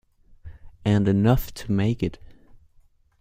And enough to make it.